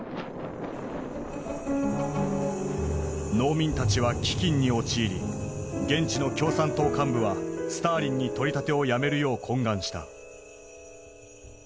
農民たちは飢饉に陥り現地の共産党幹部はスターリンに取り立てをやめるよう懇願した。